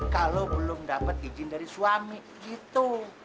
kalau belum dapat izin dari suami gitu